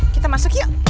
kita masuk yuk